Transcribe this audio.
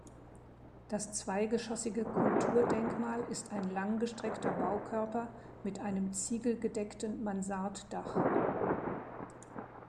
Das zweigeschossige Kulturdenkmal ist ein langgestreckter Baukörper mit einem ziegelgedeckten Mansarddach.